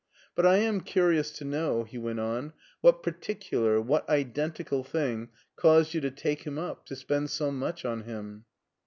" But I am curious to know," he went on, " what particular, what identical thing caused you to take him up, to spend so much on him."